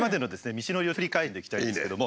道のりを振り返っていきたいんですけども。